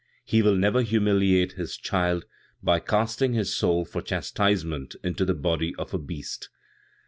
He will never humiliate his child by casting his soul for chastisement into the body of a beast.